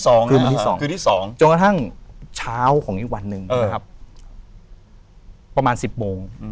สักคราวที่๑๐โปรง